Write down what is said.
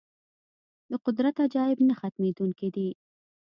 د قدرت عجایب نه ختمېدونکي دي.